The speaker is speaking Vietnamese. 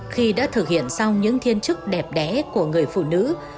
khi đã thực hiện xong những thiên chức đẹp đẽ của người phụ nữ